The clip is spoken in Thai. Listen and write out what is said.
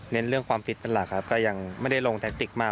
เรื่องความฟิตเป็นหลักครับก็ยังไม่ได้ลงแท็กติกมาก